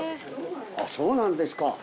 そうなんですか。